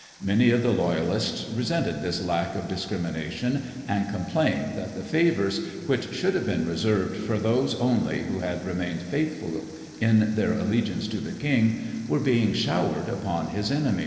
Many of the Loyalists resented this lack of discrimination and complained that the favours, which should have been reserved for those only who had remained faithful in their allegiance to the king, were being showered upon his enemies.